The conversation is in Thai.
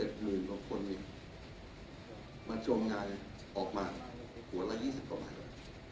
๑๖๗๐๐๐๐บาทมาชวนงานออกมาหัวละ๒๐กว่าบาท